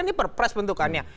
ini perpres bentukannya